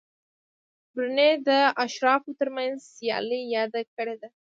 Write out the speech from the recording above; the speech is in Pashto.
برني د اشرافو ترمنځ سیالي یاده کړې ده.